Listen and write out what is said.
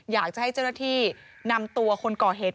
อยากจะให้เจ้าหน้าที่นำตัวคนก่อเหตุ